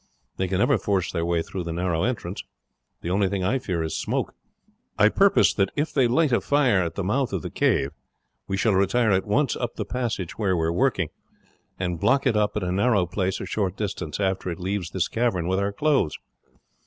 They can never force their way through the narrow entrance. The only thing I fear is smoke. I purpose that if they light a fire at the mouth of the cave, we shall retire at once up the passage where we are working, and block it up at a narrow place a short distance after it leaves this cavern, with our clothes.